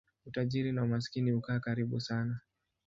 Utajiri na umaskini hukaa karibu sana.